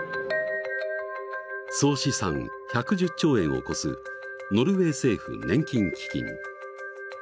総資産１１０兆円を超すノルウェー政府年金基金。